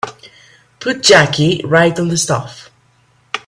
Put Jackie right on the staff.